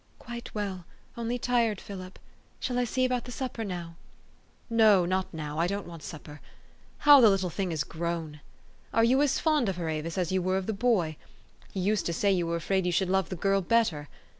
"Quite well; only tired, Philip. Shall I see about the supper now ?" THE STORY OF AVIS. 385 " No, not now. I don't want supper. How the little thing has grown ! Are you as fond of her, Avis, as you were of the boy? You used to say you were afraid you should love the girl the better.